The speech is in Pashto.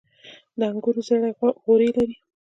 د انګورو زړې غوړي لري.